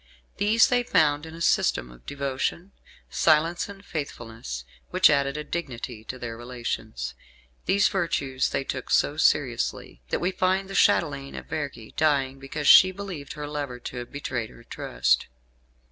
These they found in a system of devotion, silence and faithfulness, which added a dignity to their relations. These virtues they took so seriously that we find the Chatelaine of Vergi dying because she believed her lover to have betrayed her trust.